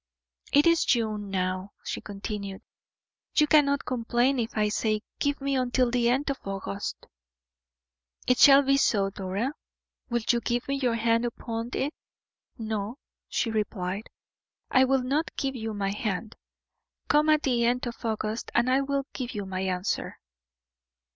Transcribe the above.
"It is June now," she continued; "you cannot complain if I say give me until the end of August." "It shall be so, Dora. Will you give me your hand upon it?" "No," she replied, "I will not give you my hand. Come at the end of August, and I will give you your answer."